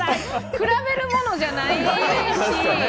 比べるものじゃないし。